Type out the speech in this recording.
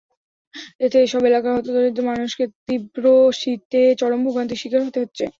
এতে এসব এলাকার হতদরিদ্র মানুষকে তীব্র শীতে চরম ভোগান্তির শিকার হতে হচ্ছে।